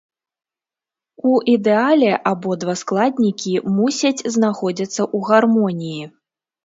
У ідэале абодва складнікі мусяць знаходзяцца ў гармоніі.